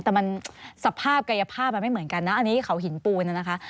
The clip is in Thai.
แต่มันสภาพกายภาพมันไม่เหมือนกันนะอันนี้เขาหินปูนน่ะนะคะ